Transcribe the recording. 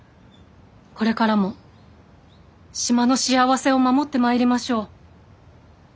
これからも島の幸せを守ってまいりましょう。